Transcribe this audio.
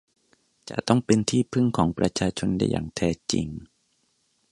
จะต้องเป็นที่พึ่งของประชาชนได้อย่างแท้จริง